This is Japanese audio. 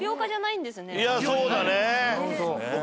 いやそうだね。